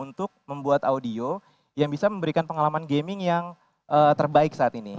untuk membuat audio yang bisa memberikan pengalaman gaming yang terbaik saat ini